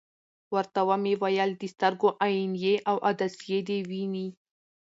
ورته ومي ویل: د سترګي عینیې او عدسیې دي وینې ؟